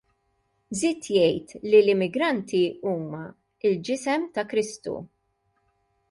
Żied jgħid li l-immigranti huma l-ġisem ta' Kristu.